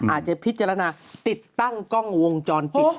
อาจจะพิจารณาติดตั้งกล้องวงจรปิด